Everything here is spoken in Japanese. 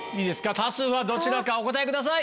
多数派はどちらかお答えください。